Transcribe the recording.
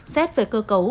xét về cơ cầu